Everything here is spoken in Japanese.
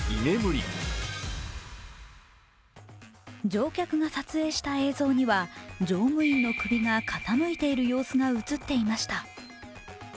乗客が撮影した映像には乗務員の首が傾いている様子が映っていました。